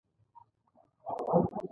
پریږده یې داموضوع دبحث وړ نه ده .